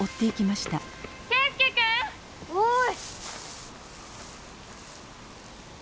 おい。